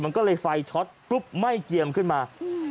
มันก็เลยไฟช็อตกุ๊บไหม้เกียมขึ้นมา